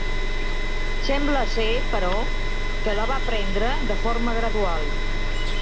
Sembla ser, però, que la va prendre de forma gradual.